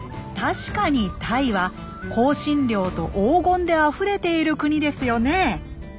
確かにタイは香辛料と黄金であふれている国ですよねえ？